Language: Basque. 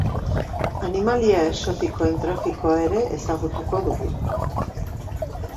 Animalia exotikoen trafikoa ere ezagutuko dugu.